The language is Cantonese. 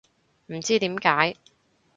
唔知點解